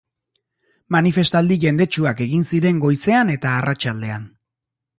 Manifestaldi jendetsuak egin ziren goizean eta arratsaldean.